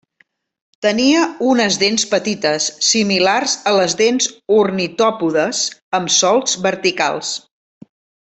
Tenia unes dents petites, similars a les dels ornitòpodes, amb solcs verticals.